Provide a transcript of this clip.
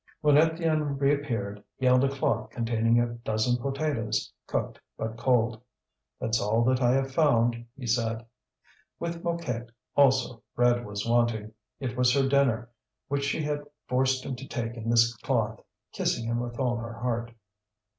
When Étienne reappeared, he held a cloth containing a dozen potatoes, cooked but cold. "That's all that I've found," he said. With Mouquette also bread was wanting; it was her dinner which she had forced him to take in this cloth, kissing him with all her heart.